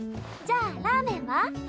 じゃあラーメンは？